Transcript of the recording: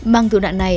bằng thủ đoạn này